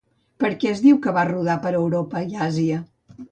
Per què es diu que va rodar per Europa i Àsia?